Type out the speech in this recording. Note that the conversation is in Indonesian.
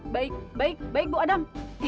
baik baik baik bu adam